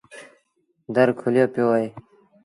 در کليو پيو اهي